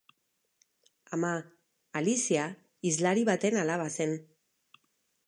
Ama, Alizia, hizlari baten alaba zen.